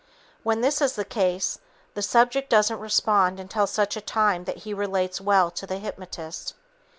When this is the case, the subject doesn't respond until such time that he relates well to the hypnotist.